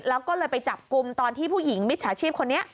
แล้วก็เลยไปจับกลุ่มตอนที่ผู้หญิงมิจฉาชีพคนนี้